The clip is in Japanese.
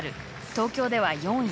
東京では４位。